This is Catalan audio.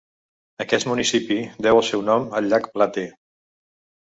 Aquest municipi deu el seu nom al llac Platte.